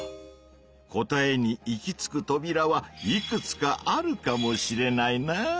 答えに行き着くトビラはいくつかあるかもしれないなぁ。